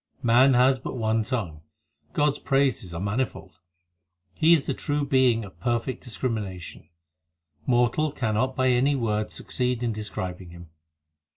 5 Man has but one tongue, God s praises are manifold ; He is the True Being of perfect discrimination ; Mortal cannot by any words succeed in describing Him.